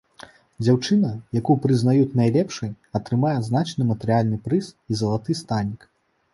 Дзяўчына, якую прызнаюць найлепшай, атрымае значны матэрыяльны прыз і залаты станік.